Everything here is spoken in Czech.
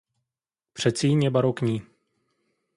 Předsíň je barokní.